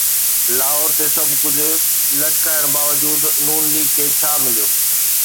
لاهور تي سڀ ڪجهه لٽڪائڻ باوجود ن ليگ کي ڇا مليو؟